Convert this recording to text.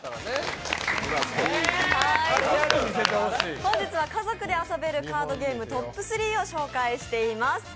本日は家族で遊べるカードゲームトップ３を紹介しています。